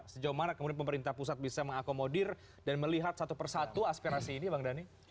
sejauh mana kemudian pemerintah pusat bisa mengakomodir dan melihat satu persatu aspirasi ini bang dhani